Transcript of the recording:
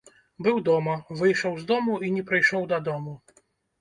Быў дома, выйшаў з дому і не прыйшоў дадому.